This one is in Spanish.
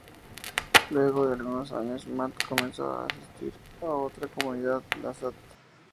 Luego de algunos años, Matt comenzó a asistir a otra comunidad: la St.